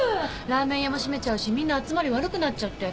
ラーメン屋も閉めちゃうしみんな集まり悪くなっちゃって。